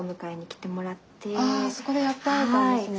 ああそこでやっと会えたんですね。